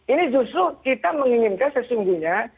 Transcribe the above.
ini justru kita menginginkan sesungguhnya